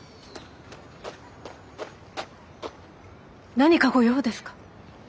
何かご用ですか？